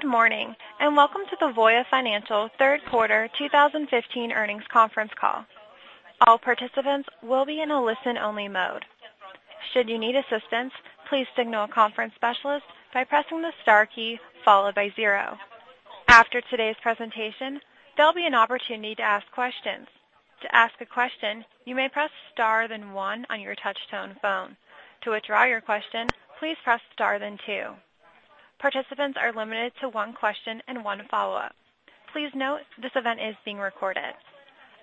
Good morning, and welcome to the Voya Financial third quarter 2015 earnings conference call. All participants will be in a listen-only mode. Should you need assistance, please signal a conference specialist by pressing the star key followed by zero. After today's presentation, there'll be an opportunity to ask questions. To ask a question, you may press star, then one on your touch-tone phone. To withdraw your question, please press star, then two. Participants are limited to one question and one follow-up. Please note, this event is being recorded.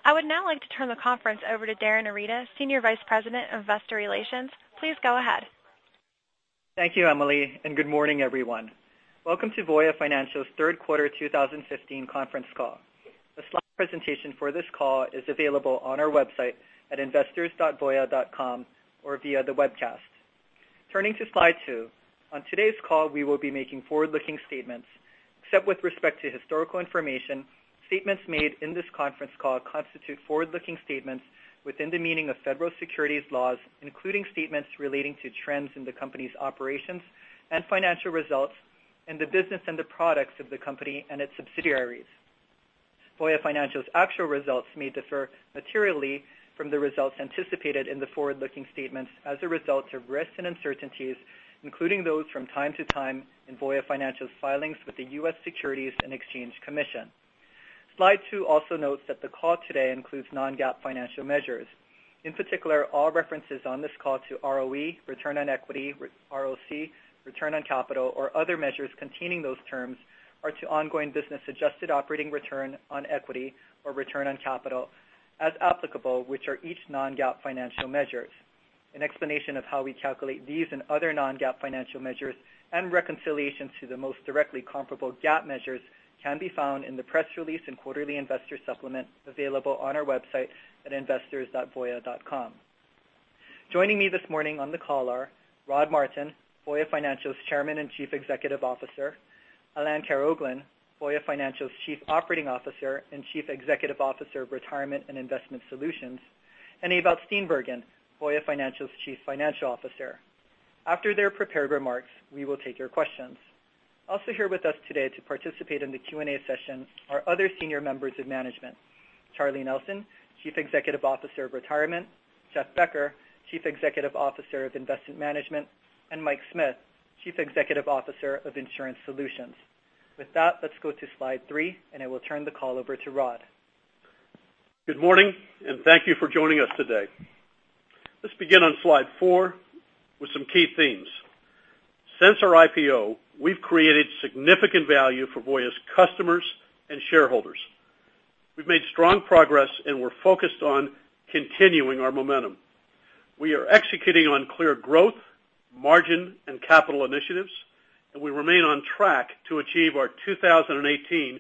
I would now like to turn the conference over to Darin Arita, Senior Vice President of Investor Relations. Please go ahead. Thank you, Emily. Good morning, everyone. Welcome to Voya Financial's third quarter 2015 conference call. The slide presentation for this call is available on our website at investors.voya.com or via the webcast. Turning to slide two. On today's call, we will be making forward-looking statements. Except with respect to historical information, statements made in this conference call constitute forward-looking statements within the meaning of Federal Securities laws, including statements relating to trends in the company's operations and financial results and the business and the products of the company and its subsidiaries. Voya Financial's actual results may differ materially from the results anticipated in the forward-looking statements as a result of risks and uncertainties, including those from time to time in Voya Financial's filings with the U.S. Securities and Exchange Commission. Slide two also notes that the call today includes non-GAAP financial measures. In particular, all references on this call to ROE, return on equity, ROC, return on capital, or other measures containing those terms are to ongoing business adjusted operating return on equity or return on capital as applicable, which are each non-GAAP financial measures. An explanation of how we calculate these and other non-GAAP financial measures and reconciliations to the most directly comparable GAAP measures can be found in the press release and quarterly investor supplement available on our website at investors.voya.com. Joining me this morning on the call are Rod Martin, Voya Financial's Chairman and Chief Executive Officer, Alain Karaoglan, Voya Financial's Chief Operating Officer and Chief Executive Officer of Retirement and Investment Solutions, and Ewout Steenbergen, Voya Financial's Chief Financial Officer. After their prepared remarks, we will take your questions. Also here with us today to participate in the Q&A session are other senior members of management, Charlie Nelson, Chief Executive Officer of Retirement, Jeff Becker, Chief Executive Officer of Investment Management, and Mike Smith, Chief Executive Officer of Insurance Solutions. With that, let's go to slide three. I will turn the call over to Rod. Good morning, thank you for joining us today. Let's begin on slide four with some key themes. Since our IPO, we've created significant value for Voya's customers and shareholders. We've made strong progress, and we're focused on continuing our momentum. We are executing on clear growth, margin, and capital initiatives, and we remain on track to achieve our 2018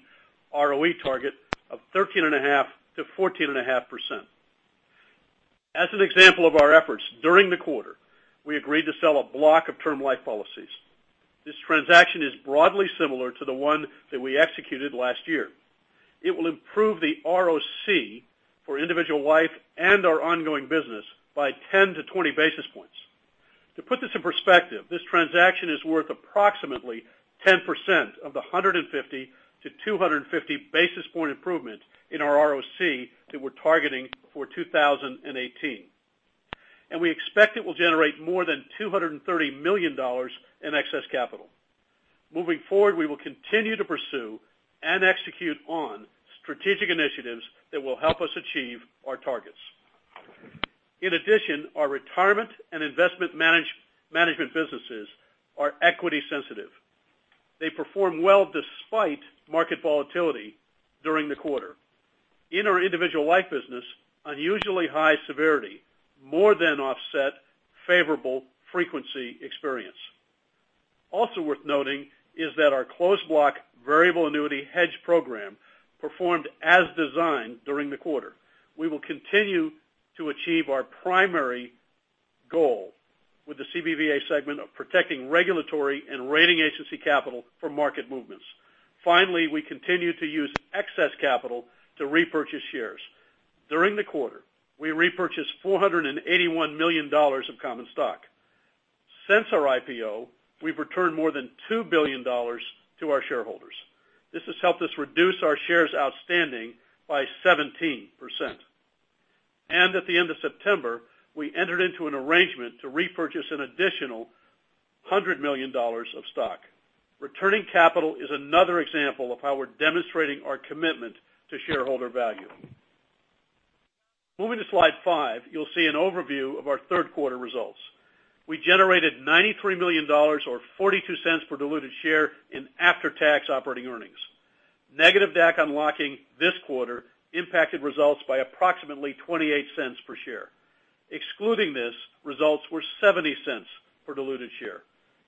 ROE target of 13.5%-14.5%. As an example of our efforts, during the quarter, we agreed to sell a block of term life policies. This transaction is broadly similar to the one that we executed last year. It will improve the ROC for Individual Life and our ongoing business by 10-20 basis points. To put this in perspective, this transaction is worth approximately 10% of the 150-250 basis point improvement in our ROC that we're targeting for 2018. We expect it will generate more than $230 million in excess capital. Moving forward, we will continue to pursue and execute on strategic initiatives that will help us achieve our targets. In addition, our Retirement and Investment Management businesses are equity sensitive. They performed well despite market volatility during the quarter. In our Individual Life business, unusually high severity more than offset favorable frequency experience. Also worth noting is that our closed block variable annuity hedge program performed as designed during the quarter. We will continue to achieve our primary goal with the CBVA segment of protecting regulatory and rating agency capital from market movements. Finally, we continue to use excess capital to repurchase shares. During the quarter, we repurchased $481 million of common stock. Since our IPO, we've returned more than $2 billion to our shareholders. This has helped us reduce our shares outstanding by 17%. At the end of September, we entered into an arrangement to repurchase an additional $100 million of stock. Returning capital is another example of how we're demonstrating our commitment to shareholder value. Moving to slide five, you'll see an overview of our third quarter results. We generated $93 million or $0.42 per diluted share in after-tax operating earnings. Negative DAC unlocking this quarter impacted results by approximately $0.28 per share. Excluding this, results were $0.70 per diluted share.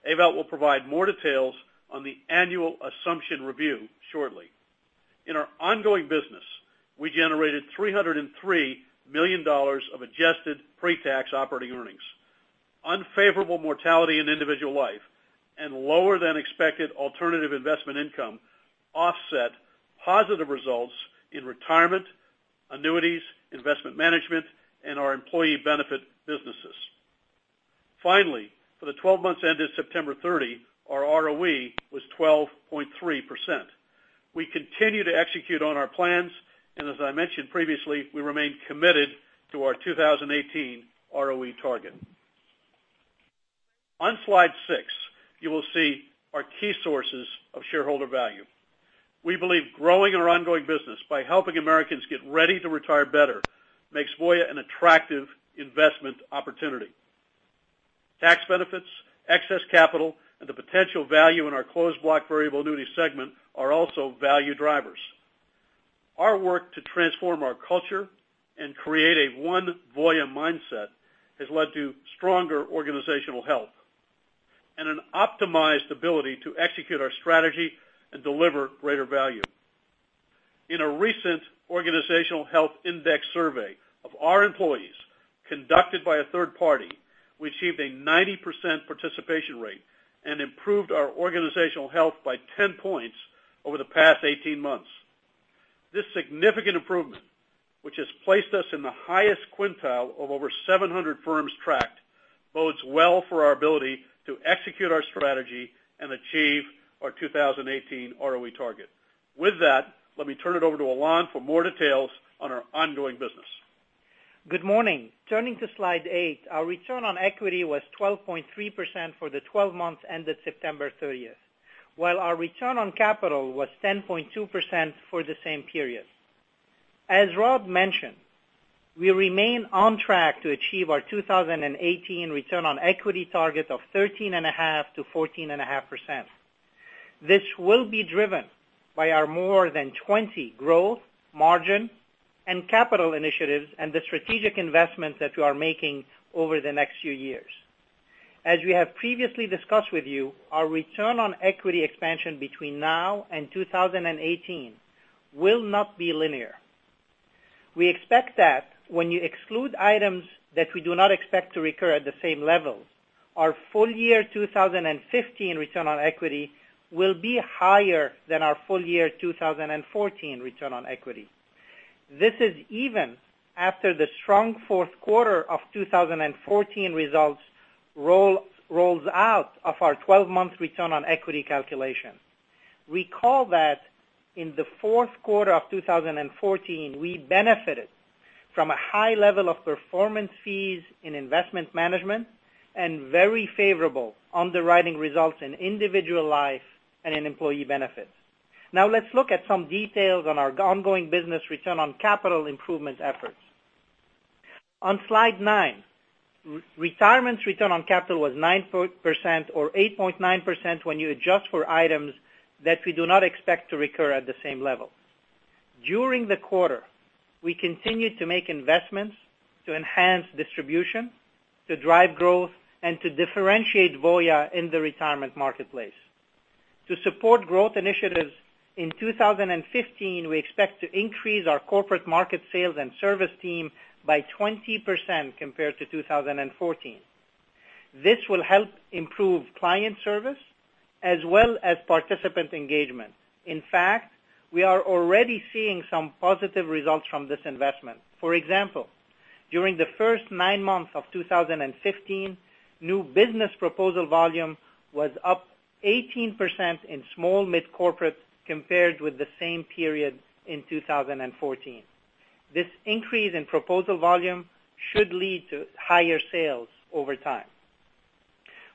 Ewout will provide more details on the annual assumption review shortly. In our ongoing business, we generated $303 million of adjusted pre-tax operating earnings. Unfavorable mortality in Individual Life and lower than expected alternative investment income offset positive results in Retirement, annuities, Investment Management, and our Employee Benefits businesses. Finally, for the 12 months ended September 30, our ROE was 12.3%. We continue to execute on our plans, as I mentioned previously, we remain committed to our 2018 ROE target. On slide six, you will see our key sources of shareholder value. We believe growing our ongoing business by helping Americans get ready to retire better makes Voya an attractive investment opportunity. Tax benefits, excess capital, and the potential value in our closed block variable annuity segment are also value drivers. Our work to transform our culture and create a one Voya mindset has led to stronger organizational health and an optimized ability to execute our strategy and deliver greater value. In a recent organizational health index survey of our employees conducted by a third party, we achieved a 90% participation rate and improved our organizational health by 10 points over the past 18 months. This significant improvement, which has placed us in the highest quintile of over 700 firms tracked, bodes well for our ability to execute our strategy and achieve our 2018 ROE target. With that, let me turn it over to Alain for more details on our ongoing business. Good morning. Turning to slide eight, our return on equity was 12.3% for the 12 months ended September 30th, while our return on capital was 10.2% for the same period. As Rod mentioned, we remain on track to achieve our 2018 return on equity target of 13.5%-14.5%. This will be driven by our more than 20 growth, margin, and capital initiatives and the strategic investments that we are making over the next few years. As we have previously discussed with you, our return on equity expansion between now and 2018 will not be linear. We expect that when you exclude items that we do not expect to recur at the same level, our full year 2015 return on equity will be higher than our full year 2014 return on equity. This is even after the strong fourth quarter of 2014 results rolls out of our 12-month return on equity calculation. Recall that in the fourth quarter of 2014, we benefited from a high level of performance fees in investment management and very favorable underwriting results in Individual Life and in Employee Benefits. Let's look at some details on our ongoing business return on capital improvement efforts. On slide nine, Retirement return on capital was 9% or 8.9% when you adjust for items that we do not expect to recur at the same level. During the quarter, we continued to make investments to enhance distribution, to drive growth, and to differentiate Voya in the Retirement marketplace. To support growth initiatives in 2015, we expect to increase our corporate market sales and service team by 20% compared to 2014. This will help improve client service as well as participant engagement. In fact, we are already seeing some positive results from this investment. For example, during the first nine months of 2015, new business proposal volume was up 18% in small mid-corporate compared with the same period in 2014. This increase in proposal volume should lead to higher sales over time.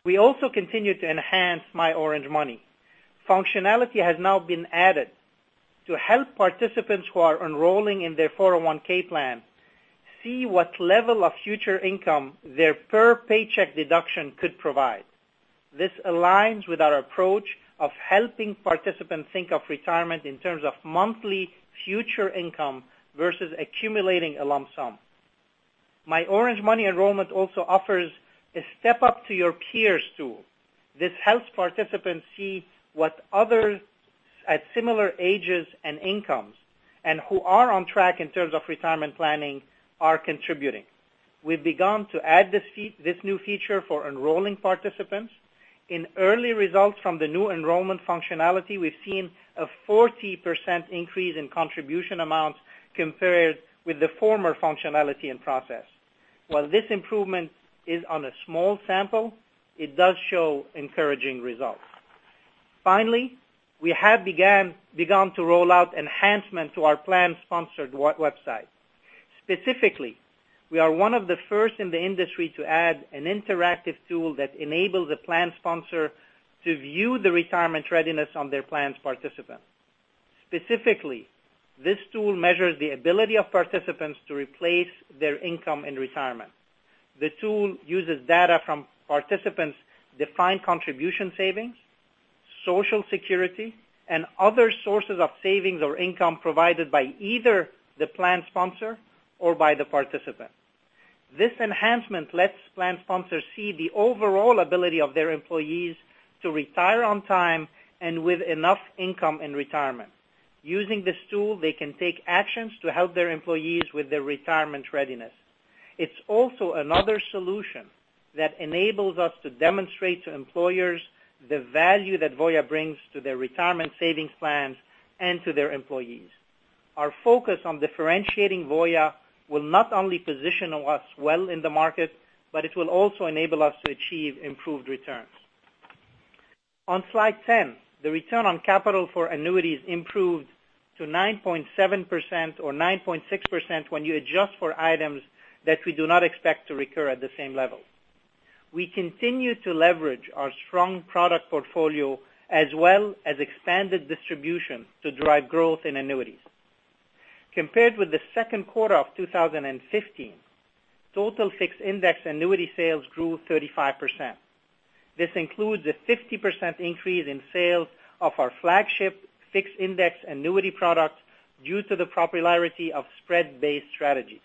We also continued to enhance myOrangeMoney. Functionality has now been added to help participants who are enrolling in their 401 plan see what level of future income their per paycheck deduction could provide. This aligns with our approach of helping participants think of Retirement in terms of monthly future income versus accumulating a lump sum. myOrangeMoney enrollment also offers a step up to your peers tool. This helps participants see what others at similar ages and incomes and who are on track in terms of Retirement planning are contributing. We've begun to add this new feature for enrolling participants. In early results from the new enrollment functionality, we've seen a 40% increase in contribution amounts compared with the former functionality and process. While this improvement is on a small sample, it does show encouraging results. Finally, we have begun to roll out enhancements to our plan sponsor website. Specifically, we are one of the first in the industry to add an interactive tool that enables a plan sponsor to view the retirement readiness on their plan's participants. Specifically, this tool measures the ability of participants to replace their income in retirement. The tool uses data from participants' defined contribution savings, social security, and other sources of savings or income provided by either the plan sponsor or by the participant. This enhancement lets plan sponsors see the overall ability of their employees to retire on time and with enough income in retirement. Using this tool, they can take actions to help their employees with their retirement readiness. It's also another solution that enables us to demonstrate to employers the value that Voya brings to their retirement savings plans and to their employees. Our focus on differentiating Voya will not only position us well in the market, but it will also enable us to achieve improved returns. On slide 10, the return on capital for annuities improved to 9.7%, or 9.6% when you adjust for items that we do not expect to recur at the same level. We continue to leverage our strong product portfolio as well as expanded distribution to drive growth in annuities. Compared with the second quarter of 2015, total fixed indexed annuity sales grew 35%. This includes a 50% increase in sales of our flagship fixed indexed annuity product due to the popularity of spread-based strategies.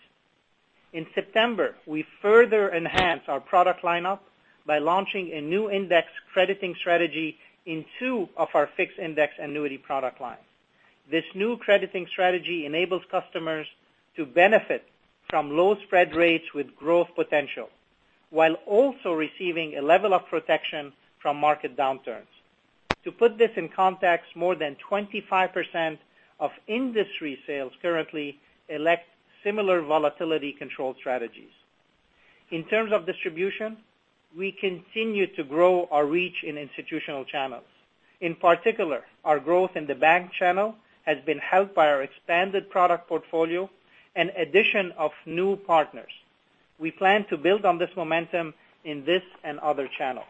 In September, we further enhanced our product lineup by launching a new indexed crediting strategy in two of our fixed indexed annuity product lines. This new crediting strategy enables customers to benefit from low spread rates with growth potential, while also receiving a level of protection from market downturns. To put this in context, more than 25% of industry sales currently elect similar volatility control strategies. In terms of distribution, we continue to grow our reach in institutional channels. In particular, our growth in the bank channel has been helped by our expanded product portfolio and addition of new partners. We plan to build on this momentum in this and other channels.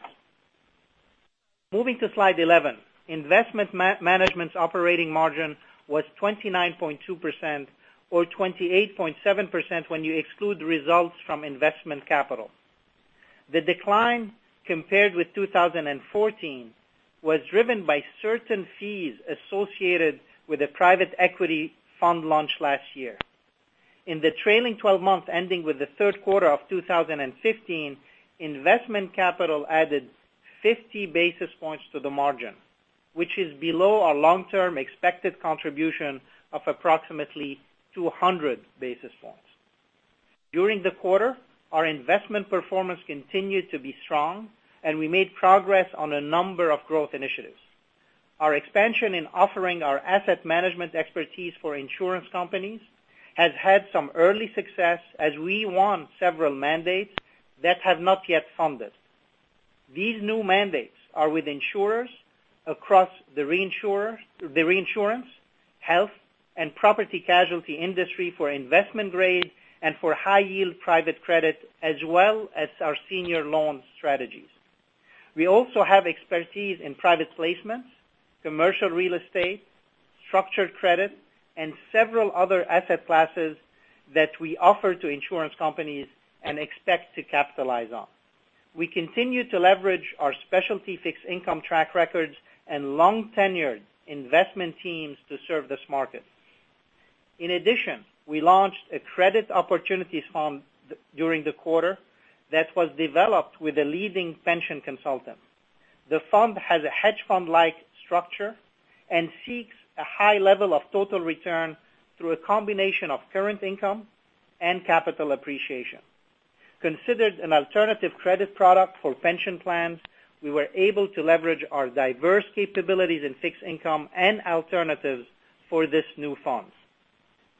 Moving to slide 11, investment management's operating margin was 29.2%, or 28.7% when you exclude results from investment capital. The decline compared with 2014 was driven by certain fees associated with a private equity fund launch last year. In the trailing 12 months ending with the third quarter of 2015, investment capital added 50 basis points to the margin, which is below our long-term expected contribution of approximately 200 basis points. During the quarter, our investment performance continued to be strong, and we made progress on a number of growth initiatives. Our expansion in offering our asset management expertise for insurance companies has had some early success as we won several mandates that have not yet funded. These new mandates are with insurers across the reinsurance, health, and property casualty industry for investment grade and for high-yield private credit, as well as our senior loan strategies. We also have expertise in private placements, commercial real estate, structured credit, and several other asset classes that we offer to insurance companies and expect to capitalize on. We continue to leverage our specialty fixed income track records and long-tenured investment teams to serve this market. In addition, we launched a credit opportunities fund during the quarter that was developed with a leading pension consultant. The fund has a hedge fund-like structure and seeks a high level of total return through a combination of current income and capital appreciation. Considered an alternative credit product for pension plans, we were able to leverage our diverse capabilities in fixed income and alternatives for this new fund.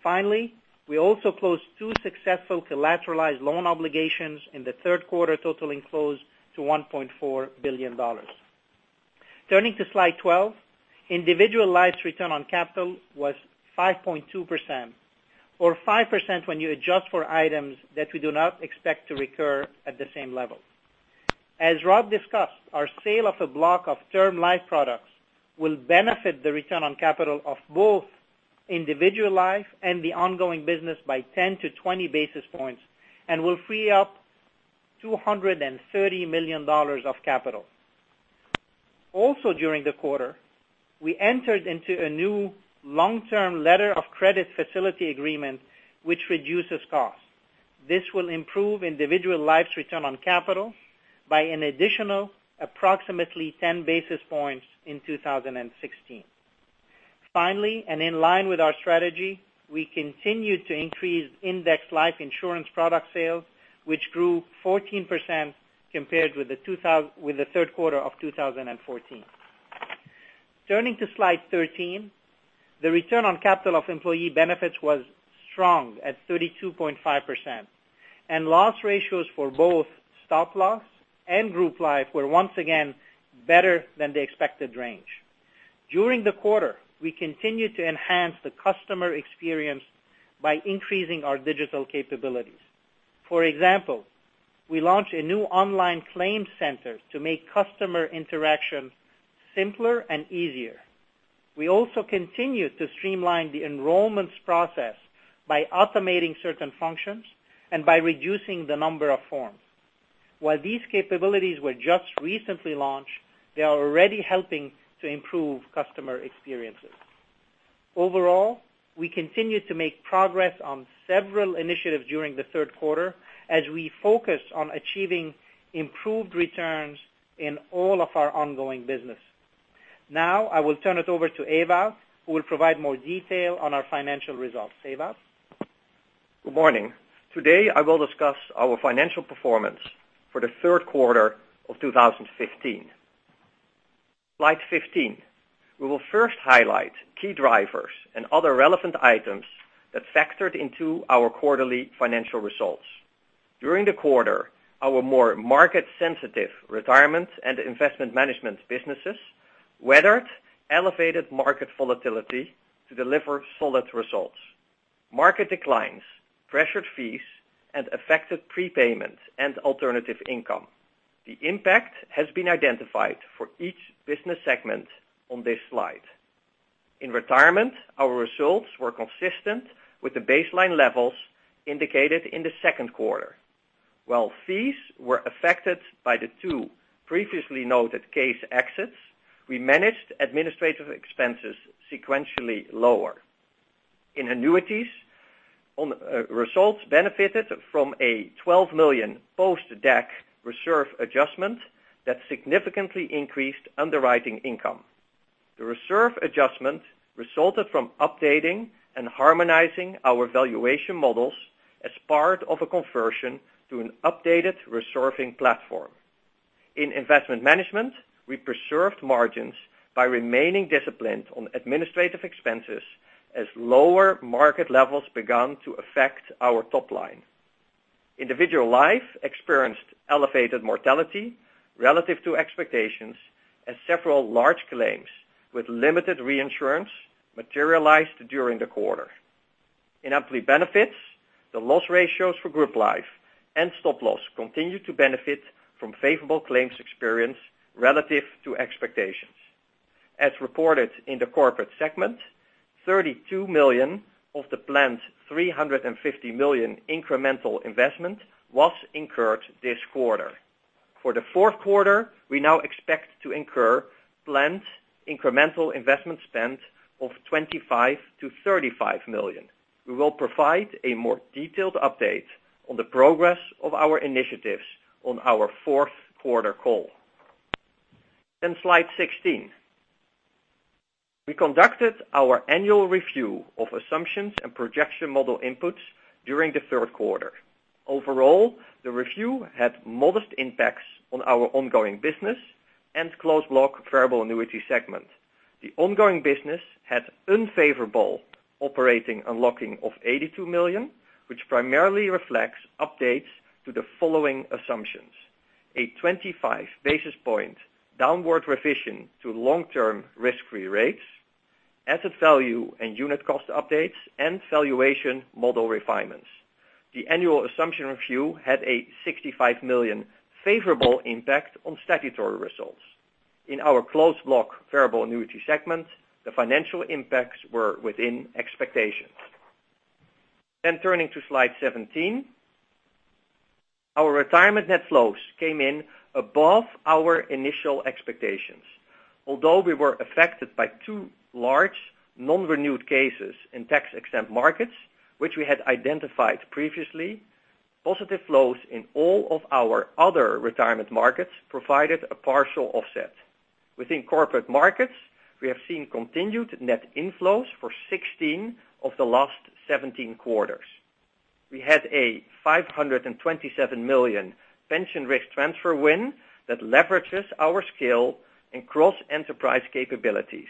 Finally, we also closed two successful collateralized loan obligations in the third quarter, totaling close to $1.4 billion. Turning to slide 12, Individual Life's return on capital was 5.2%, or 5% when you adjust for items that we do not expect to recur at the same level. As Rod discussed, our sale of a block of Term Life products will benefit the return on capital of both Individual Life and the ongoing business by 10-20 basis points and will free up $230 million of capital. Also during the quarter, we entered into a new long-term letter of credit facility agreement, which reduces costs. This will improve Individual Life's return on capital by an additional approximately 10 basis points in 2016. Finally, and in line with our strategy, we continued to increase indexed life insurance product sales, which grew 14% compared with the third quarter of 2014. Turning to slide 13, the return on capital of Employee Benefits was strong at 32.5%, and loss ratios for both Stop Loss and group life were once again better than the expected range. During the quarter, we continued to enhance the customer experience by increasing our digital capabilities. For example, we launched a new online claim center to make customer interaction simpler and easier. We also continued to streamline the enrollments process by automating certain functions and by reducing the number of forms. While these capabilities were just recently launched, they are already helping to improve customer experiences. Overall, we continued to make progress on several initiatives during the third quarter as we focused on achieving improved returns in all of our ongoing business. Now, I will turn it over to Ewout, who will provide more detail on our financial results. Ewout? Good morning. Today, I will discuss our financial performance for the third quarter of 2015. Slide 15. We will first highlight key drivers and other relevant items that factored into our quarterly financial results. During the quarter, our more market sensitive Retirement and Investment Management businesses weathered elevated market volatility to deliver solid results. Market declines, pressured fees, and affected prepayment and alternative income. The impact has been identified for each business segment on this slide. In Retirement, our results were consistent with the baseline levels indicated in the second quarter. While fees were affected by the two previously noted case exits, we managed administrative expenses sequentially lower. In annuities, results benefited from a $12 million post-DAC reserve adjustment that significantly increased underwriting income. The reserve adjustment resulted from updating and harmonizing our valuation models as part of a conversion to an updated reserving platform. In Investment Management, we preserved margins by remaining disciplined on administrative expenses as lower market levels began to affect our top line. Individual Life experienced elevated mortality relative to expectations and several large claims with limited reinsurance materialized during the quarter. In Employee Benefits, the loss ratios for group life and Stop Loss continued to benefit from favorable claims experience relative to expectations. As reported in the corporate segment, $32 million of the planned $350 million incremental investment was incurred this quarter. For the fourth quarter, we now expect to incur planned incremental investment spend of $25 million-$35 million. We will provide a more detailed update on the progress of our initiatives on our fourth quarter call. Slide 16. We conducted our annual review of assumptions and projection model inputs during the third quarter. Overall, the review had modest impacts on our ongoing business and closed block variable annuity segment. The ongoing business had unfavorable operating unlocking of $82 million, which primarily reflects updates to the following assumptions. A 25 basis point downward revision to long-term risk-free rates, asset value and unit cost updates, and valuation model refinements. The annual assumption review had a $65 million favorable impact on statutory results. In our closed block variable annuity segment, the financial impacts were within expectations. Turning to slide 17. Our Retirement net flows came in above our initial expectations. Although we were affected by two large non-renewed cases in tax-exempt markets, which we had identified previously, positive flows in all of our other Retirement markets provided a partial offset. Within corporate markets, we have seen continued net inflows for 16 of the last 17 quarters. We had a $527 million pension risk transfer win that leverages our scale and cross-enterprise capabilities.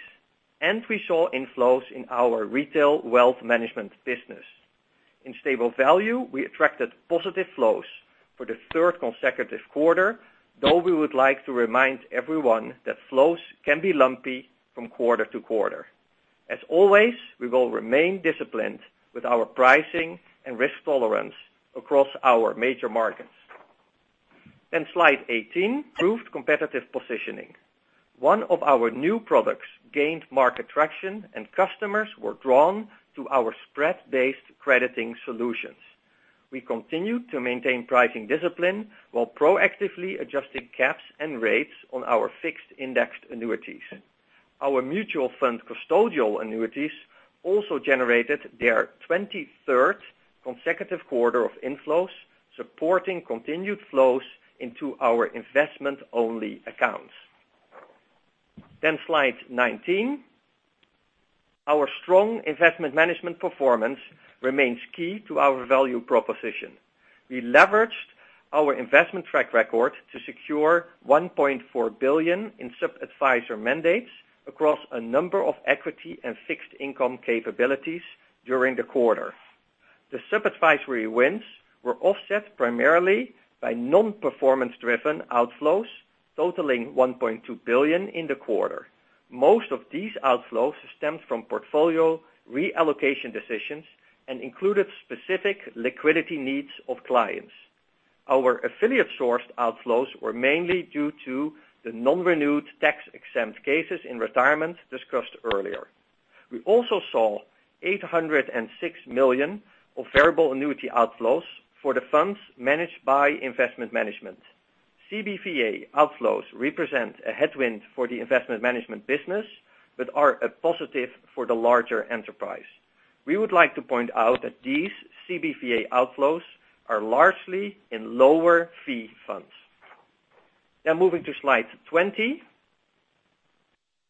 We saw inflows in our retail wealth management business. In stable value, we attracted positive flows for the third consecutive quarter, though we would like to remind everyone that flows can be lumpy from quarter to quarter. As always, we will remain disciplined with our pricing and risk tolerance across our major markets. Slide 18, improved competitive positioning. One of our new products gained market traction, and customers were drawn to our spread-based crediting solutions. We continued to maintain pricing discipline while proactively adjusting caps and rates on our fixed-indexed annuities. Our mutual fund custodial annuities also generated their 23rd consecutive quarter of inflows, supporting continued flows into our investment-only accounts. Slide 19. Our strong Investment Management performance remains key to our value proposition. We leveraged our Investment track record to secure $1.4 billion in sub-adviser mandates across a number of equity and fixed income capabilities during the quarter. The sub-advisory wins were offset primarily by non-performance driven outflows totaling $1.2 billion in the quarter. Most of these outflows stemmed from portfolio reallocation decisions and included specific liquidity needs of clients. Our affiliate sourced outflows were mainly due to the non-renewed tax-exempt cases in Retirement discussed earlier. We also saw $806 million of variable annuity outflows for the funds managed by Investment Management. CBVA outflows represent a headwind for the Investment Management business but are a positive for the larger enterprise. We would like to point out that these CBVA outflows are largely in lower fee funds. Moving to slide 20.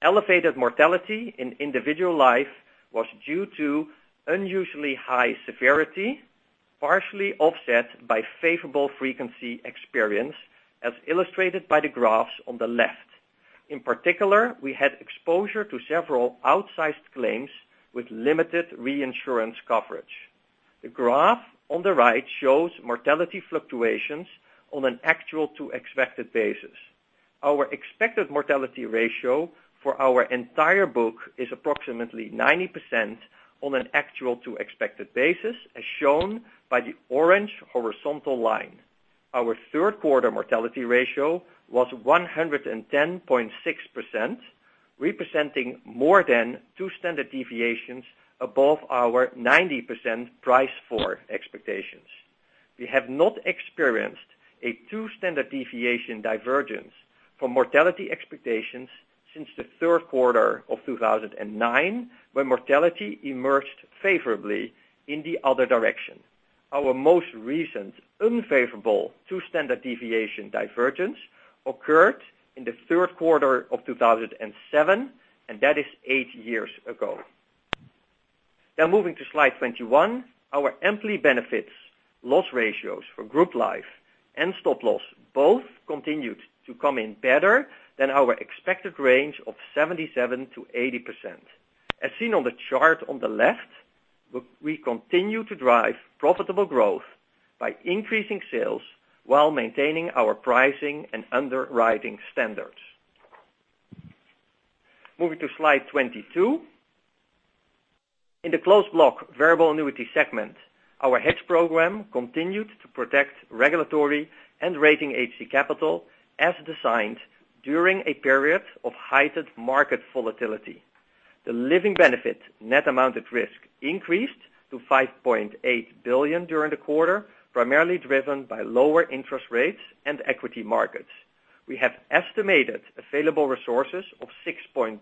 Elevated mortality in Individual Life was due to unusually high severity. Partially offset by favorable frequency experience, as illustrated by the graphs on the left. In particular, we had exposure to several outsized claims with limited reinsurance coverage. The graph on the right shows mortality fluctuations on an actual to expected basis. Our expected mortality ratio for our entire book is approximately 90% on an actual to expected basis, as shown by the orange horizontal line. Our third quarter mortality ratio was 110.6%, representing more than two standard deviations above our 90% prior expectations. We have not experienced a two standard deviation divergence from mortality expectations since the third quarter of 2009, when mortality emerged favorably in the other direction. Our most recent unfavorable two standard deviation divergence occurred in the third quarter of 2007, and that is eight years ago. Moving to slide 21, our Employee Benefits loss ratios for group life and Stop Loss both continued to come in better than our expected range of 77%-80%. As seen on the chart on the left, we continue to drive profitable growth by increasing sales while maintaining our pricing and underwriting standards. Moving to slide 22. In the closed block Variable Annuity segment, our hedge program continued to protect regulatory and rating agency capital as designed during a period of heightened market volatility. The living benefit net amount at risk increased to $5.8 billion during the quarter, primarily driven by lower interest rates and equity markets. We have estimated available resources of $6.3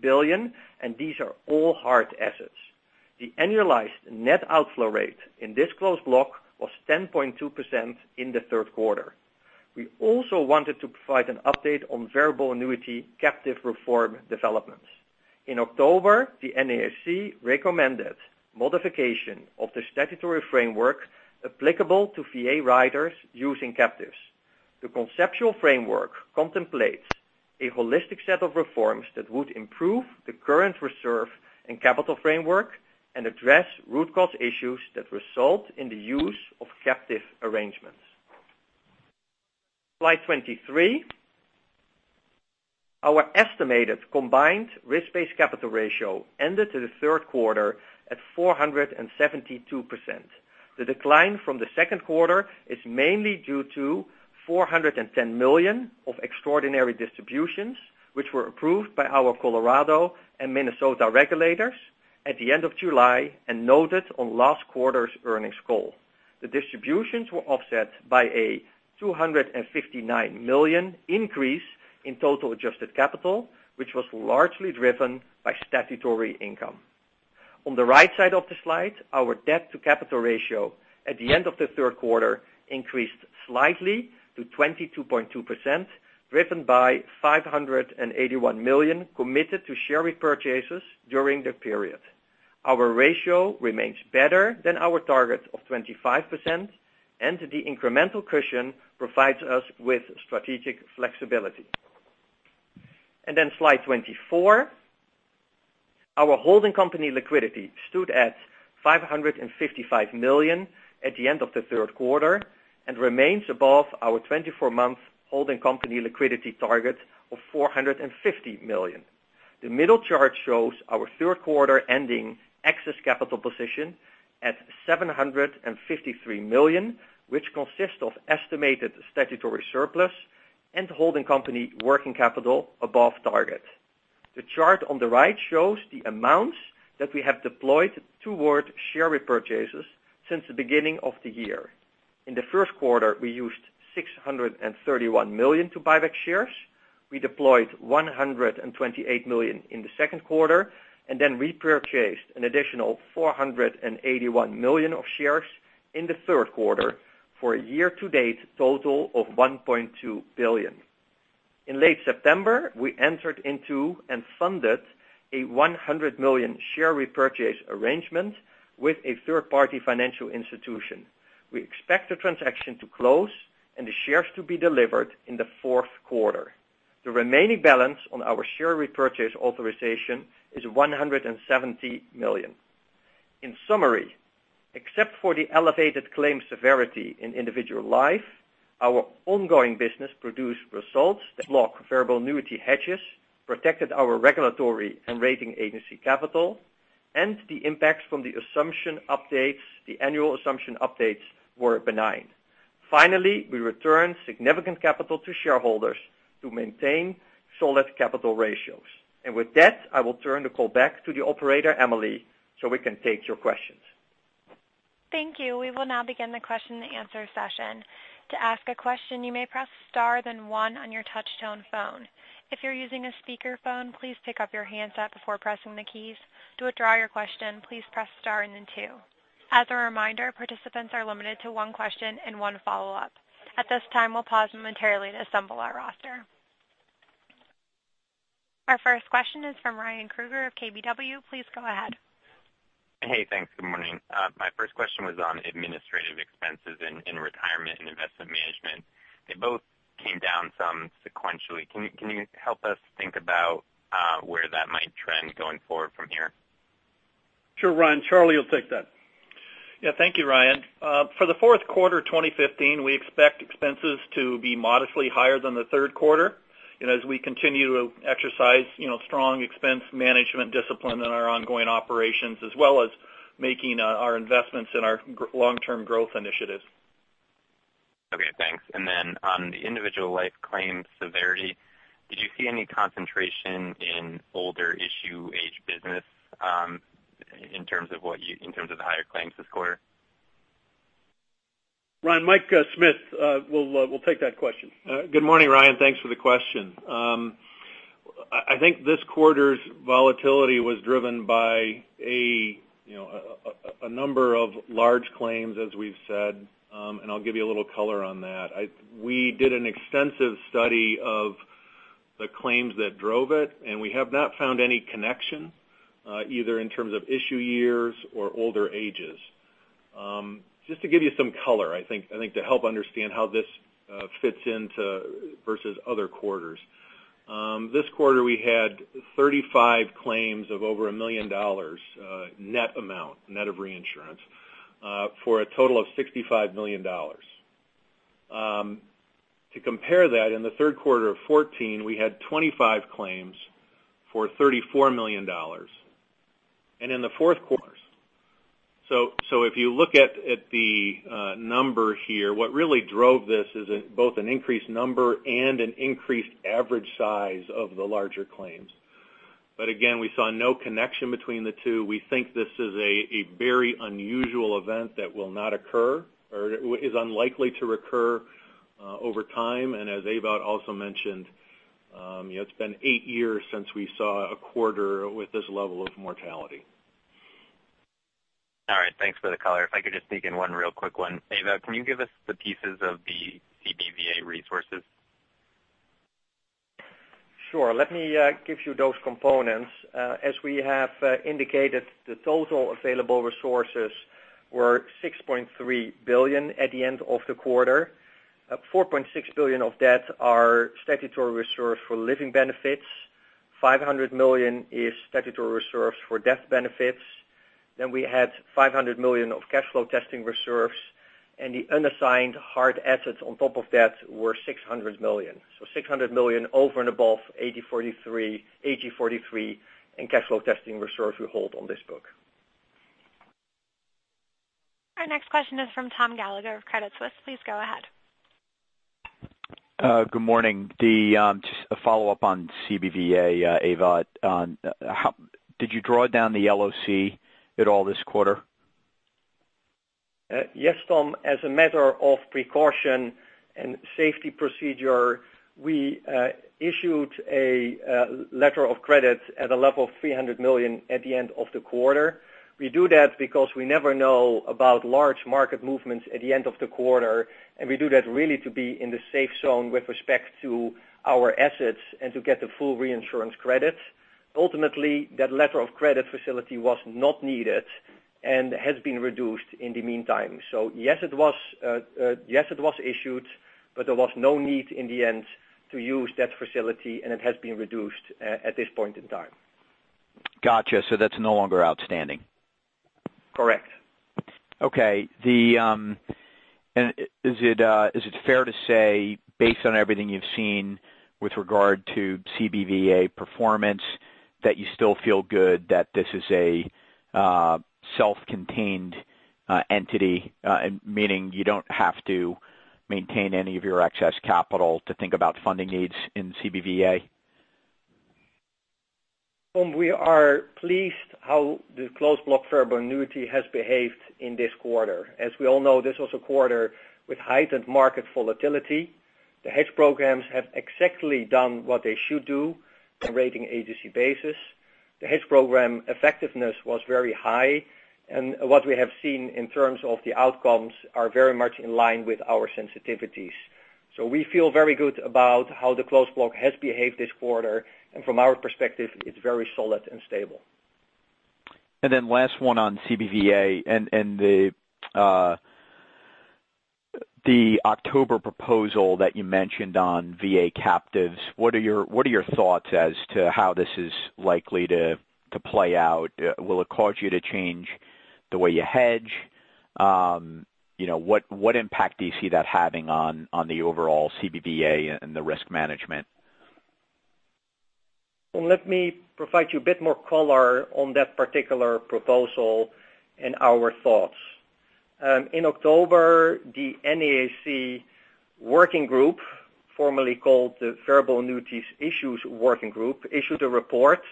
billion, and these are all hard assets. The annualized net outflow rate in this closed block was 10.2% in the third quarter. We also wanted to provide an update on variable annuity captive reform developments. In October, the NAIC recommended modification of the statutory framework applicable to VA writers using captives. The conceptual framework contemplates a holistic set of reforms that would improve the current reserve and capital framework and address root cause issues that result in the use of captive arrangements. Slide 23. Our estimated combined risk-based capital ratio ended the third quarter at 472%. The decline from the second quarter is mainly due to $410 million of extraordinary distributions, which were approved by our Colorado and Minnesota regulators at the end of July and noted on last quarter's earnings call. The distributions were offset by a $259 million increase in total adjusted capital, which was largely driven by statutory income. On the right side of the slide, our debt to capital ratio at the end of the third quarter increased slightly to 22.2%, driven by $581 million committed to share repurchases during the period. Our ratio remains better than our target of 25%, and the incremental cushion provides us with strategic flexibility. Then slide 24. Our holding company liquidity stood at $555 million at the end of the third quarter and remains above our 24-month holding company liquidity target of $450 million. The middle chart shows our third quarter ending excess capital position at $753 million, which consists of estimated statutory surplus and holding company working capital above target. The chart on the right shows the amounts that we have deployed toward share repurchases since the beginning of the year. In the first quarter, we used $631 million to buy back shares. We deployed $128 million in the second quarter, then repurchased an additional $481 million of shares in the third quarter for a year to date total of $1.2 billion. In late September, we entered into and funded a $100 million share repurchase arrangement with a third-party financial institution. We expect the transaction to close and the shares to be delivered in the fourth quarter. The remaining balance on our share repurchase authorization is $170 million. In summary, except for the elevated claims severity in Individual Life, our ongoing business produced results that block Variable Annuity hedges, protected our regulatory and rating agency capital, and the impacts from the annual assumption updates were benign. Finally, we returned significant capital to shareholders to maintain solid capital ratios. With that, I will turn the call back to the operator, Emily, so we can take your questions. Thank you. We will now begin the question and answer session. To ask a question, you may press star then one on your touch tone phone. If you are using a speakerphone, please pick up your handset before pressing the keys. To withdraw your question, please press star then two. As a reminder, participants are limited to one question and one follow-up. At this time, we will pause momentarily to assemble our roster. Our first question is from Ryan Krueger of KBW. Please go ahead. Hey, thanks. Good morning. My first question was on administrative expenses in Retirement and Investment Management. They both came down some sequentially. Can you help us think about where that might trend going forward from here? Sure, Ryan. Charlie will take that. Yeah. Thank you, Ryan. For the fourth quarter 2015, we expect expenses to be modestly higher than the third quarter, as we continue to exercise strong expense management discipline in our ongoing operations, as well as making our investments in our long-term growth initiatives. Okay, thanks. On the Individual Life claims severity, did you see any concentration in older issue age business in terms of the higher claims this quarter? Ryan, Mike Smith will take that question. Good morning, Ryan. Thanks for the question. I think this quarter's volatility was driven by a number of large claims, as we've said. I'll give you a little color on that. We did an extensive study of the claims that drove it, and we have not found any connection, either in terms of issue years or older ages. Just to give you some color, I think to help understand how this fits in versus other quarters. This quarter, we had 35 claims of over $1 million net amount, net of reinsurance, for a total of $65 million. To compare that, in the third quarter of 2014, we had 25 claims for $34 million. If you look at the number here, what really drove this is both an increased number and an increased average size of the larger claims. We saw no connection between the two. We think this is a very unusual event that will not occur or is unlikely to recur over time. As Ewout also mentioned, it's been eight years since we saw a quarter with this level of mortality. All right. Thanks for the color. If I could just sneak in one real quick one. Ewout, can you give us the pieces of the CBVA resources? Sure. Let me give you those components. As we have indicated, the total available resources were $6.3 billion at the end of the quarter. $4.6 billion of that are statutory reserves for living benefits. $500 million is statutory reserves for death benefits. We had $500 million of cash flow testing reserves, and the unassigned hard assets on top of that were $600 million. $600 million over and above AG 43 and cash flow testing reserves we hold on this book. Our next question is from Thomas Gallagher of Credit Suisse. Please go ahead. Good morning. Just a follow-up on CBVA, Ewout. Did you draw down the LOC at all this quarter? Yes, Tom. As a matter of precaution and safety procedure, we issued a letter of credit at a level of $300 million at the end of the quarter. We do that because we never know about large market movements at the end of the quarter, and we do that really to be in the safe zone with respect to our assets and to get the full reinsurance credit. Ultimately, that letter of credit facility was not needed and has been reduced in the meantime. Yes, it was issued, but there was no need in the end to use that facility, and it has been reduced at this point in time. Got you. That's no longer outstanding. Correct. Okay. Is it fair to say, based on everything you've seen with regard to CBVA performance, that you still feel good that this is a self-contained entity? Meaning you don't have to maintain any of your excess capital to think about funding needs in CBVA. Tom, we are pleased how the closed block variable annuity has behaved in this quarter. As we all know, this was a quarter with heightened market volatility. The hedge programs have exactly done what they should do on a rating agency basis. The hedge program effectiveness was very high, and what we have seen in terms of the outcomes are very much in line with our sensitivities. We feel very good about how the closed block has behaved this quarter, and from our perspective, it is very solid and stable. Last one on CBVA and the October proposal that you mentioned on VA captives, what are your thoughts as to how this is likely to play out? Will it cause you to change the way you hedge? What impact do you see that having on the overall CBVA and the risk management? Let me provide you a bit more color on that particular proposal and our thoughts. In October, the NAIC Working Group, formerly called the Variable Annuities Issues Working Group, issued a report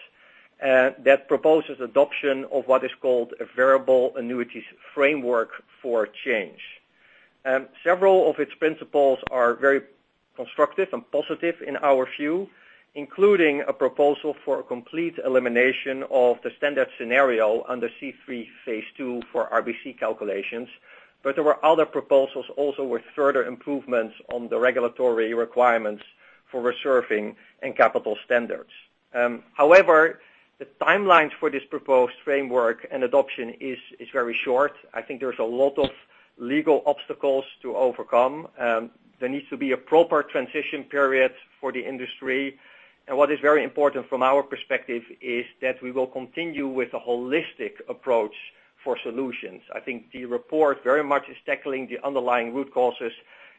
that proposes adoption of what is called a variable annuities framework for change. Several of its principles are very constructive and positive in our view, including a proposal for a complete elimination of the standard scenario under C3 Phase II for RBC calculations. There were other proposals also with further improvements on the regulatory requirements for reserving and capital standards. The timelines for this proposed framework and adoption is very short. I think there's a lot of legal obstacles to overcome. There needs to be a proper transition period for the industry. What is very important from our perspective is that we will continue with a holistic approach for solutions. I think the report very much is tackling the underlying root causes,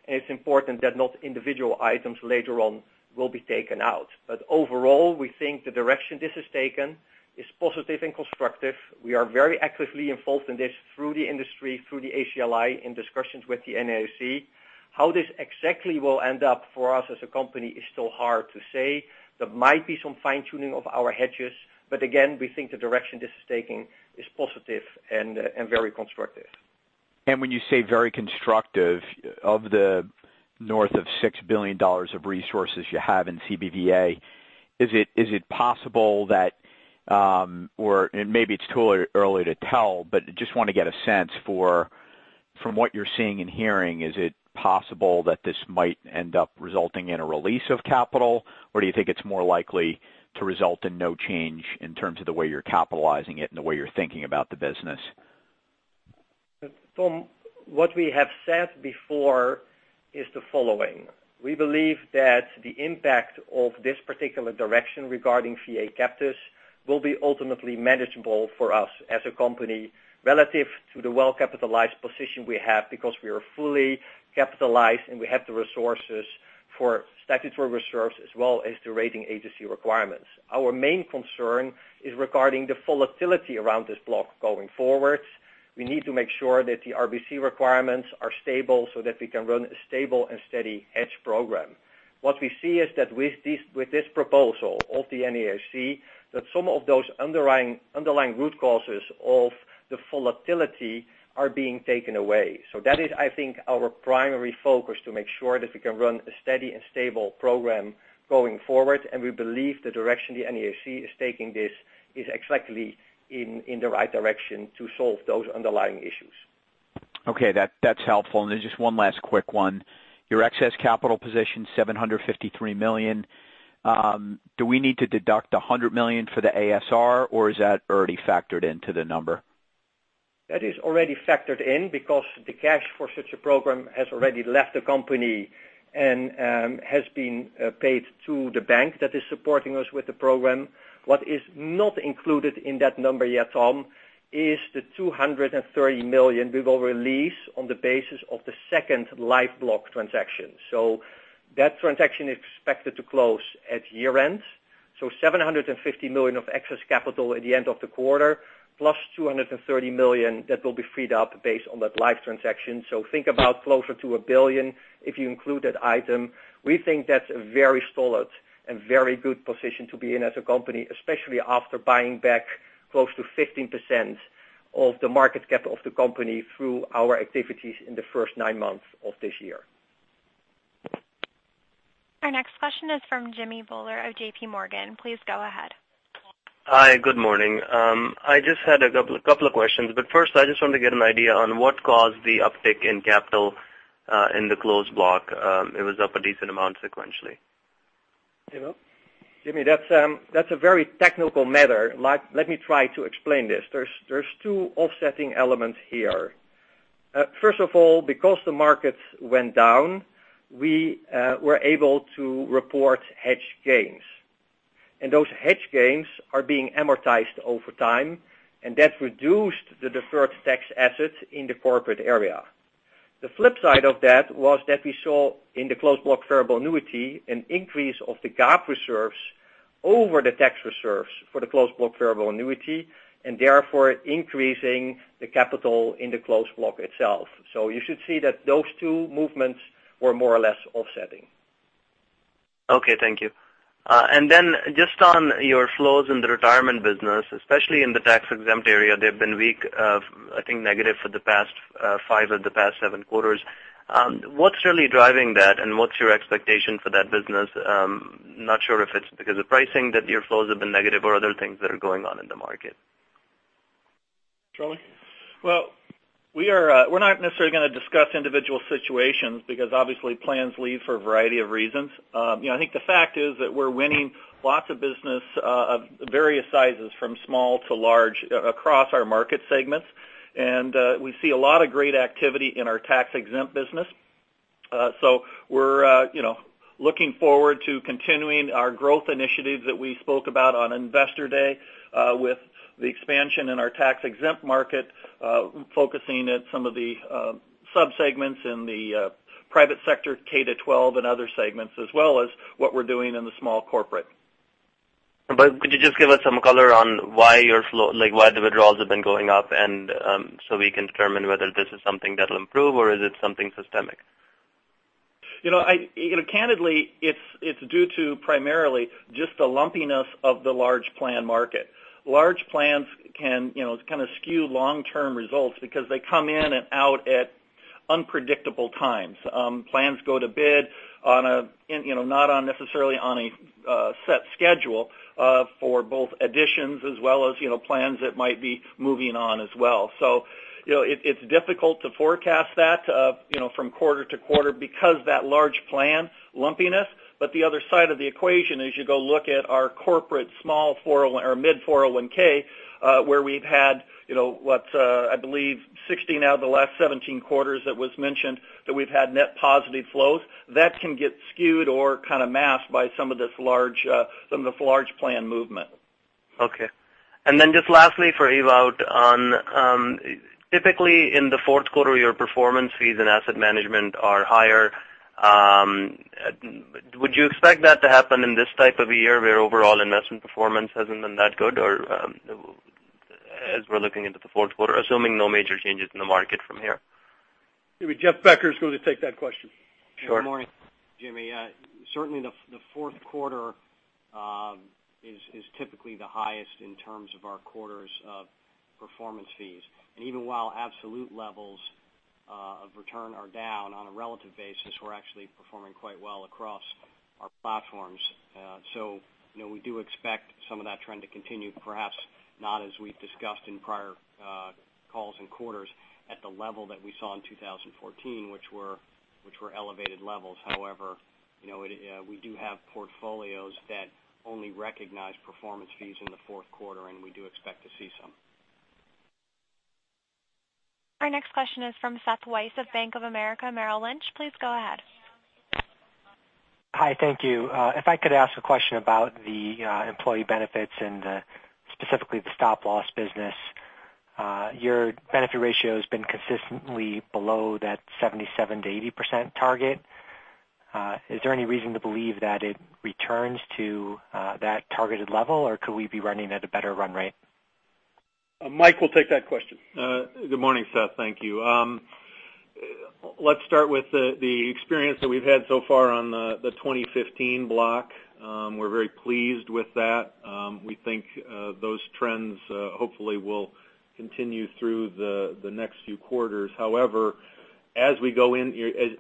and it's important that not individual items later on will be taken out. Overall, we think the direction this has taken is positive and constructive. We are very actively involved in this through the industry, through the ACLI, in discussions with the NAIC. How this exactly will end up for us as a company is still hard to say. There might be some fine-tuning of our hedges. Again, we think the direction this is taking is positive and very constructive. When you say very constructive, of the north of $6 billion of resources you have in CBVA, is it possible that, or maybe it's too early to tell, but just want to get a sense. From what you're seeing and hearing, is it possible that this might end up resulting in a release of capital, or do you think it's more likely to result in no change in terms of the way you're capitalizing it and the way you're thinking about the business? Tom, what we have said before is the following. We believe that the impact of this particular direction regarding VA captives will be ultimately manageable for us as a company relative to the well-capitalized position we have because we are fully capitalized, and we have the resources for statutory reserves as well as the rating agency requirements. Our main concern is regarding the volatility around this block going forward. We need to make sure that the RBC requirements are stable so that we can run a stable and steady hedge program. What we see is that with this proposal of the NAIC, that some of those underlying root causes of the volatility are being taken away. That is, I think, our primary focus to make sure that we can run a steady and stable program going forward, and we believe the direction the NAIC is taking this is exactly in the right direction to solve those underlying issues. Okay. That's helpful. Then just one last quick one. Your excess capital position, $753 million. Do we need to deduct $100 million for the ASR, or is that already factored into the number? That is already factored in because the cash for such a program has already left the company and has been paid to the bank that is supporting us with the program. What is not included in that number yet, Tom, is the $230 million we will release on the basis of the second life block transaction. That transaction is expected to close at year-end. $750 million of excess capital at the end of the quarter, plus $230 million that will be freed up based on that life transaction. Think about closer to $1 billion if you include that item. We think that's a very solid and very good position to be in as a company, especially after buying back close to 15% of the market cap of the company through our activities in the first nine months of this year. Our next question is from Jimmy Bhullar of JPMorgan. Please go ahead. Hi. Good morning. I just had a couple of questions. First, I just wanted to get an idea on what caused the uptick in capital, in the closed block. It was up a decent amount sequentially. Jimmy, that's a very technical matter. Let me try to explain this. There's two offsetting elements here. First of all, because the markets went down, we were able to report hedge gains. Those hedge gains are being amortized over time, and that reduced the deferred tax assets in the corporate area. The flip side of that was that we saw in the closed block variable annuity, an increase of the GAAP reserves over the tax reserves for the closed block variable annuity, and therefore increasing the capital in the closed block itself. You should see that those two movements were more or less offsetting. Okay. Thank you. Just on your flows in the Retirement business, especially in the tax-exempt area, they've been weak, I think negative for the past five of the past seven quarters. What's really driving that, and what's your expectation for that business? I'm not sure if it's because of pricing that your flows have been negative or other things that are going on in the market. Charlie? Well, we're not necessarily going to discuss individual situations because obviously plans leave for a variety of reasons. I think the fact is that we're winning lots of business of various sizes from small to large across our market segments. We see a lot of great activity in our tax-exempt business. We're looking forward to continuing our growth initiatives that we spoke about on Investor Day, with the expansion in our tax-exempt market, focusing at some of the subsegments in the private sector, K-12, and other segments, as well as what we're doing in the small corporate. Could you just give us some color on why the withdrawals have been going up and so we can determine whether this is something that'll improve or is it something systemic? Candidly, it's due to primarily just the lumpiness of the large plan market. Large plans can kind of skew long-term results because they come in and out at unpredictable times. Plans go to bid not necessarily on a set schedule, for both additions as well as plans that might be moving on as well. It's difficult to forecast that from quarter to quarter because that large plan lumpiness. The other side of the equation is you go look at our corporate small 401 or mid 401, where we've had, what, I believe 16 out of the last 17 quarters that was mentioned, that we've had net positive flows. That can get skewed or kind of masked by some of this large plan movement. Okay. Just lastly for Ewout, typically in the fourth quarter, your performance fees and asset management are higher. Would you expect that to happen in this type of a year where overall investment performance hasn't been that good or as we're looking into the fourth quarter, assuming no major changes in the market from here? Maybe Jeff Becker is going to take that question. Good morning, Jimmy. Certainly the fourth quarter is typically the highest in terms of our quarters of performance fees. Even while absolute levels of return are down on a relative basis, we're actually performing quite well across our platforms. We do expect some of that trend to continue, perhaps not as we've discussed in prior calls and quarters at the level that we saw in 2014, which were elevated levels. However, we do have portfolios that only recognize performance fees in the fourth quarter, and we do expect to see some. Our next question is from Seth Weiss of Bank of America Merrill Lynch. Please go ahead. Hi. Thank you. If I could ask a question about the Employee Benefits and specifically the Stop Loss business. Your benefit ratio has been consistently below that 77%-80% target. Is there any reason to believe that it returns to that targeted level, or could we be running at a better run rate? Mike will take that question. Good morning, Seth. Thank you. Let's start with the experience that we've had so far on the 2015 block. We're very pleased with that. We think those trends hopefully will continue through the next few quarters. However, as we go in,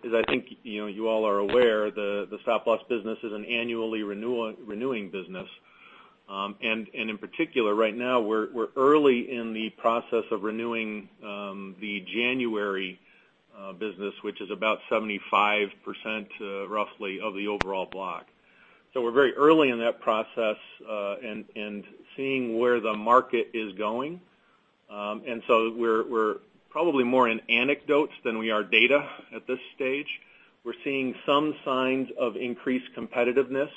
as I think you all are aware, the Stop Loss business is an annually renewing business. In particular, right now, we're early in the process of renewing the January business, which is about 75% roughly of the overall block. We're very early in that process and seeing where the market is going. We're probably more in anecdotes than we are data at this stage. We're seeing some signs of increased competitiveness.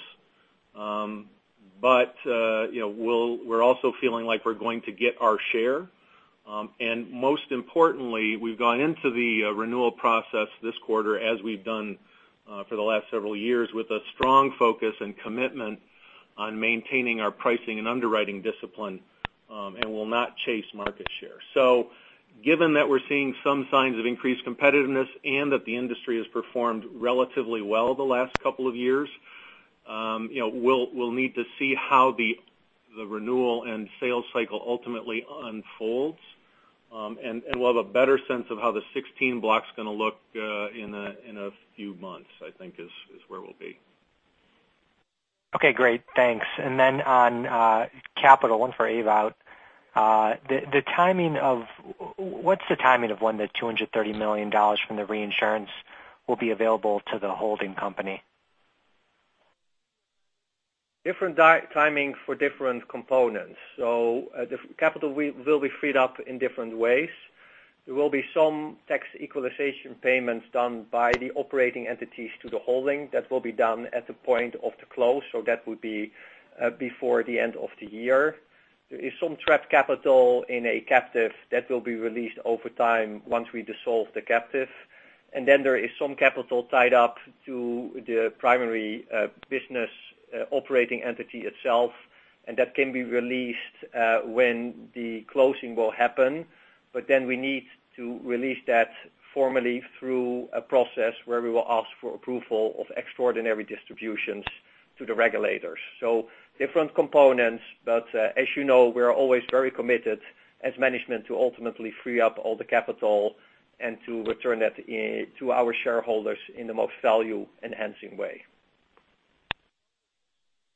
We're also feeling like we're going to get our share. Most importantly, we've gone into the renewal process this quarter as we've done for the last several years, with a strong focus and commitment on maintaining our pricing and underwriting discipline and will not chase market share. Given that we're seeing some signs of increased competitiveness and that the industry has performed relatively well the last couple of years, we'll need to see how the renewal and sales cycle ultimately unfolds. We'll have a better sense of how the 2016 block's going to look in a few months, I think, is where we'll be. Okay, great. Thanks. On capital, one for Ewout. What's the timing of when the $230 million from the reinsurance will be available to the holding company? Different timing for different components. The capital will be freed up in different ways. There will be some tax equalization payments done by the operating entities to the holding. That will be done at the point of the close, that would be before the end of the year. There is some trapped capital in a captive that will be released over time once we dissolve the captive. There is some capital tied up to the primary business operating entity itself, and that can be released when the closing will happen. We need to release that formally through a process where we will ask for approval of extraordinary distributions to the regulators. Different components, but as you know, we're always very committed as management to ultimately free up all the capital and to return that to our shareholders in the most value-enhancing way.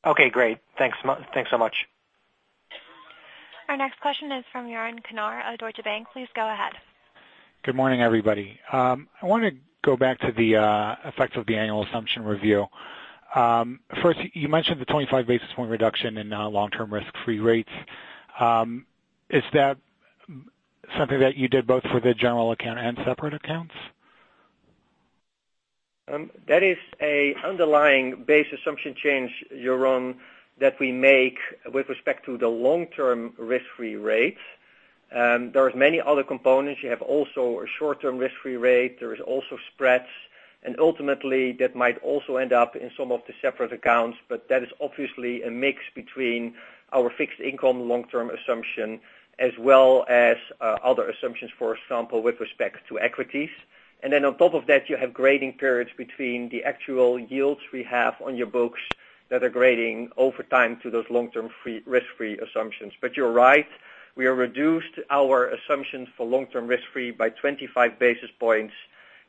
Okay, great. Thanks so much. Our next question is from Yaron Kinar of Deutsche Bank. Please go ahead. Good morning, everybody. I want to go back to the effect of the annual assumption review. First, you mentioned the 25 basis point reduction in long-term risk-free rates. Is that something that you did both for the general account and separate accounts? That is a underlying base assumption change, Yaron, that we make with respect to the long-term risk-free rates. There's many other components. You have also a short-term risk-free rate. There is also spreads, and ultimately, that might also end up in some of the separate accounts, but that is obviously a mix between our fixed income long-term assumption as well as other assumptions, for example, with respect to equities. On top of that, you have grading periods between the actual yields we have on your books that are grading over time to those long-term risk-free assumptions. You're right, we have reduced our assumptions for long-term risk-free by 25 basis points,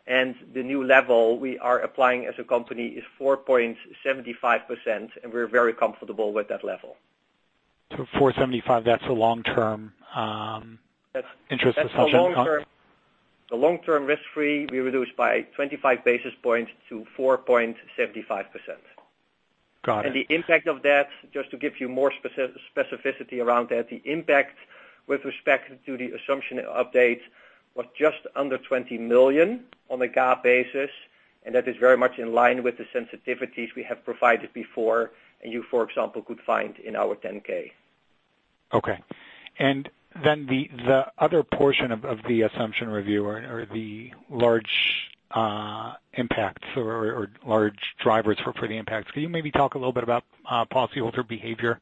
and the new level we are applying as a company is 4.75%, and we're very comfortable with that level. 4.75, that's a long-term interest assumption? The long-term risk-free, we reduced by 25 basis points to 4.75%. Got it. The impact of that, just to give you more specificity around that, the impact with respect to the assumption update was just under $20 million on a GAAP basis, and that is very much in line with the sensitivities we have provided before and you, for example, could find in our 10-K. Okay. The other portion of the assumption review or the large impacts or large drivers for the impacts. Can you maybe talk a little bit about policyholder behavior?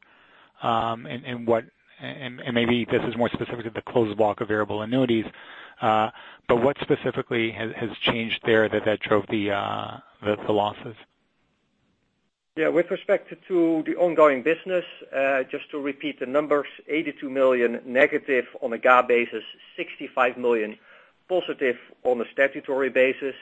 Maybe this is more specific to the closed block of variable annuities. What specifically has changed there that drove the losses? Yeah. With respect to the ongoing business, just to repeat the numbers, $82 million negative on a GAAP basis, $65 million positive on a statutory basis.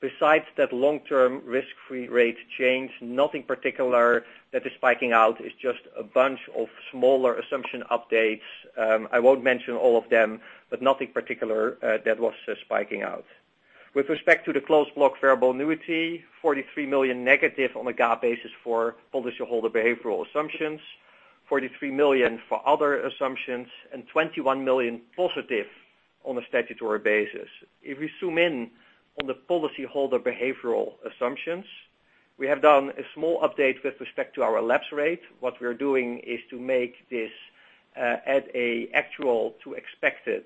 Besides that long-term risk-free rate change, nothing particular that is spiking out. It's just a bunch of smaller assumption updates. I won't mention all of them, but nothing particular that was spiking out. With respect to the closed block variable annuity, $43 million negative on a GAAP basis for policyholder behavioral assumptions, $43 million for other assumptions, and $21 million positive on a statutory basis. If we zoom in on the policyholder behavioral assumptions, we have done a small update with respect to our lapse rate. What we are doing is to make this at actual to expected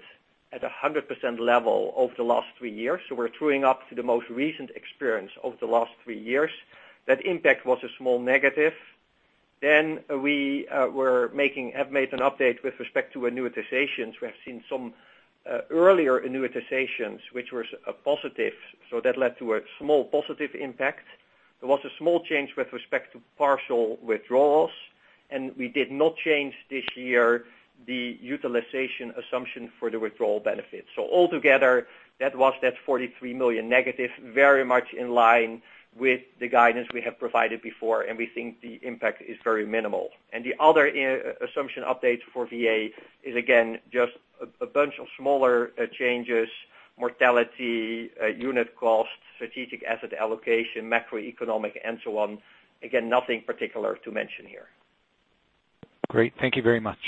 at 100% level over the last three years. We're truing up to the most recent experience over the last three years. That impact was a small negative. We have made an update with respect to annuitizations. We have seen some earlier annuitizations, which was a positive, that led to a small positive impact. There was a small change with respect to partial withdrawals, we did not change this year the utilization assumption for the withdrawal benefit. Altogether, that was that $43 million negative, very much in line with the guidance we have provided before, and we think the impact is very minimal. The other assumption updates for VA is again, just a bunch of smaller changes, mortality, unit cost, strategic asset allocation, macroeconomic, and so on. Again, nothing particular to mention here. Great. Thank you very much.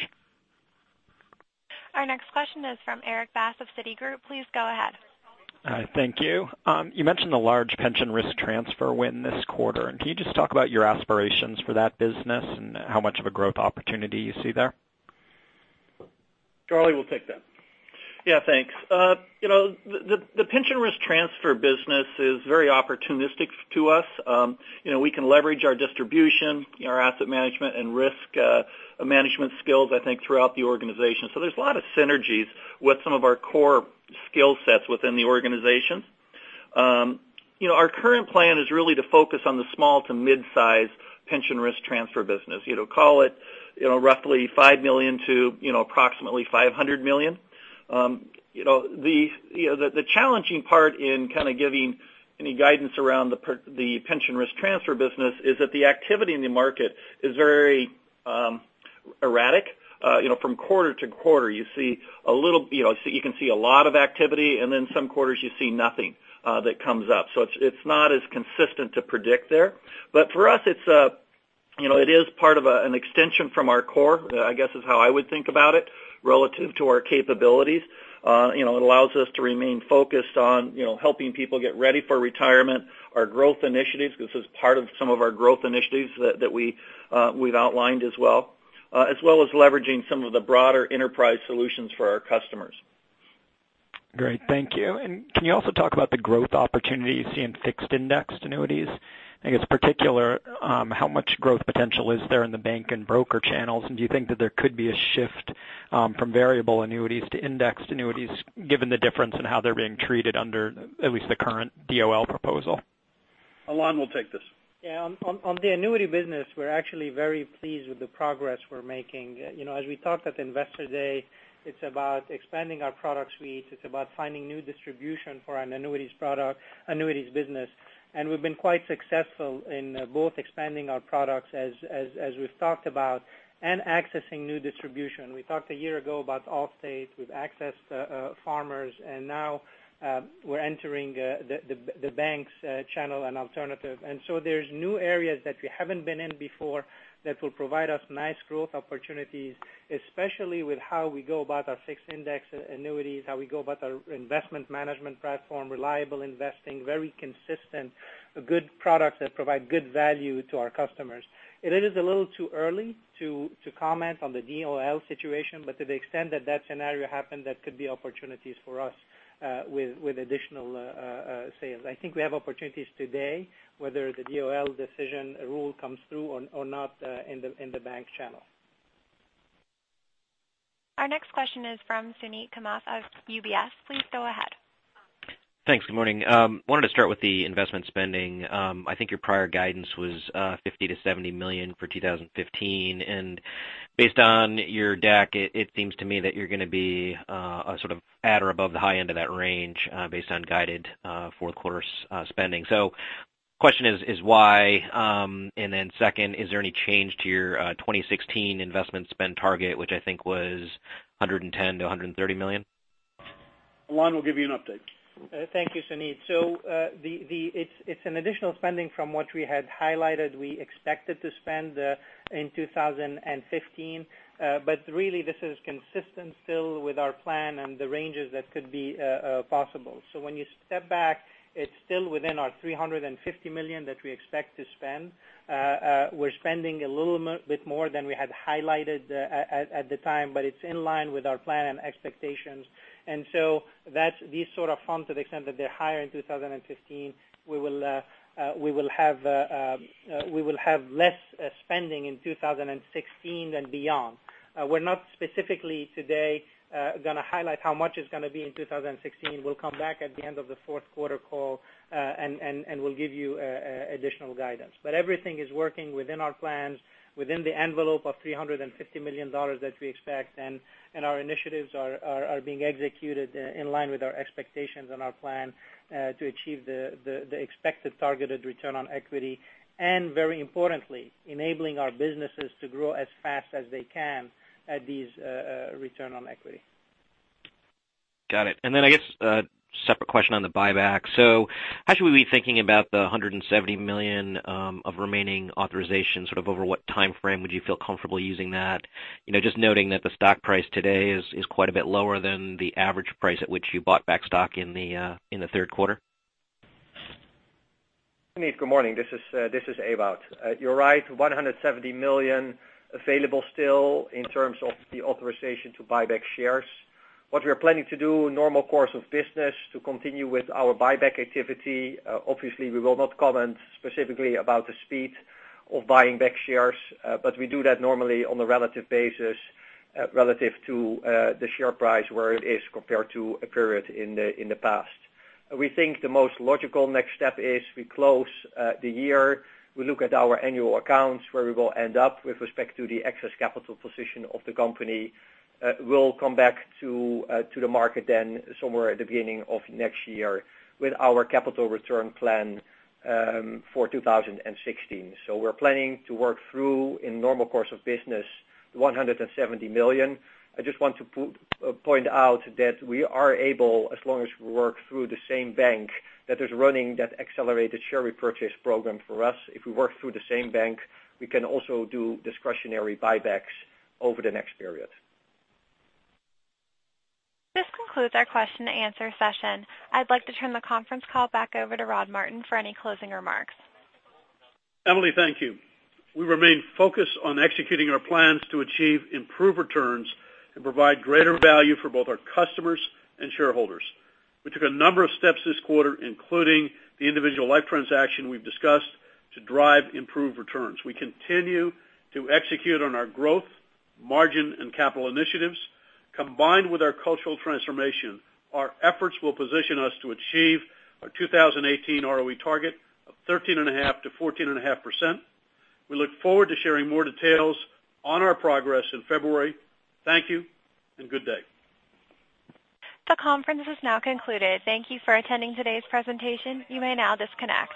Our next question is from Erik Bass of Citigroup. Please go ahead. Thank you. You mentioned the large pension risk transfer win this quarter. Can you just talk about your aspirations for that business and how much of a growth opportunity you see there? Charlie will take that. Yeah, thanks. The pension risk transfer business is very opportunistic to us. We can leverage our distribution, our asset management, and risk management skills, I think, throughout the organization. There's a lot of synergies with some of our core skill sets within the organization. Our current plan is really to focus on the small to mid-size pension risk transfer business. Call it roughly $5 million to approximately $500 million. The challenging part in kind of giving any guidance around the pension risk transfer business is that the activity in the market is very erratic. From quarter to quarter, you can see a lot of activity, and then some quarters you see nothing that comes up. It's not as consistent to predict there. For us, it is part of an extension from our core, I guess is how I would think about it, relative to our capabilities. It allows us to remain focused on helping people get ready for Retirement, our growth initiatives. This is part of some of our growth initiatives that we've outlined as well. As well as leveraging some of the broader enterprise solutions for our customers. Great. Thank you. Can you also talk about the growth opportunity you see in fixed indexed annuities? I guess in particular, how much growth potential is there in the bank and broker channels, and do you think that there could be a shift from variable annuities to indexed annuities given the difference in how they're being treated under at least the current DOL proposal? Alain will take this. Yeah. On the annuity business, we're actually very pleased with the progress we're making. As we talked at Investor Day, it's about expanding our product suite. It's about finding new distribution for an annuities business. We've been quite successful in both expanding our products as we've talked about and accessing new distribution. We talked a year ago about Allstate. We've accessed Farmers, now we're entering the banks channel and alternative. So there's new areas that we haven't been in before that will provide us nice growth opportunities, especially with how we go about our fixed index annuities, how we go about our investment management platform, reliable investing, very consistent, good products that provide good value to our customers. It is a little too early to comment on the DOL situation, but to the extent that that scenario happens, that could be opportunities for us with additional sales. I think we have opportunities today, whether the DOL decision rule comes through or not in the bank channel. Our next question is from Suneet Kamath of UBS. Please go ahead. Thanks. Good morning. Wanted to start with the investment spending. I think your prior guidance was $50 million-$70 million for 2015. Based on your deck, it seems to me that you're going to be sort of at or above the high end of that range based on guided fourth quarter spending. Question is why? Second, is there any change to your 2016 investment spend target, which I think was $110 million-$130 million? Alain will give you an update. Thank you, Suneet. It's an additional spending from what we had highlighted we expected to spend in 2015. Really, this is consistent still with our plan and the ranges that could be possible. When you step back, it's still within our $350 million that we expect to spend. We're spending a little bit more than we had highlighted at the time, but it's in line with our plan and expectations. These sort of funds, to the extent that they're higher in 2015, we will have less spending in 2016 and beyond. We're not specifically today going to highlight how much it's going to be in 2016. We'll come back at the end of the fourth quarter call, and we'll give you additional guidance. Everything is working within our plans, within the envelope of $350 million that we expect. Our initiatives are being executed in line with our expectations and our plan to achieve the expected targeted return on equity. Very importantly, enabling our businesses to grow as fast as they can at these return on equity. Got it. I guess a separate question on the buyback. How should we be thinking about the $170 million of remaining authorization, sort of over what timeframe would you feel comfortable using that? Just noting that the stock price today is quite a bit lower than the average price at which you bought back stock in the third quarter. Suneet, good morning. This is Ewout. You're right, $170 million available still in terms of the authorization to buy back shares. What we're planning to do, normal course of business, to continue with our buyback activity. Obviously, we will not comment specifically about the speed of buying back shares, but we do that normally on a relative basis, relative to the share price where it is compared to a period in the past. We think the most logical next step is we close the year, we look at our annual accounts, where we will end up with respect to the excess capital position of the company. We'll come back to the market then somewhere at the beginning of next year with our capital return plan for 2016. We're planning to work through in normal course of business, $170 million. I just want to point out that we are able, as long as we work through the same bank that is running that accelerated share repurchase program for us, if we work through the same bank, we can also do discretionary buybacks over the next period. This concludes our question and answer session. I'd like to turn the conference call back over to Rod Martin for any closing remarks. Emily, thank you. We remain focused on executing our plans to achieve improved returns and provide greater value for both our customers and shareholders. We took a number of steps this quarter, including the Individual Life transaction we've discussed to drive improved returns. We continue to execute on our growth, margin, and capital initiatives. Combined with our cultural transformation, our efforts will position us to achieve our 2018 ROE target of 13.5%-14.5%. We look forward to sharing more details on our progress in February. Thank you, and good day. The conference is now concluded. Thank you for attending today's presentation. You may now disconnect.